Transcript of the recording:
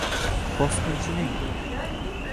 Bosqinchining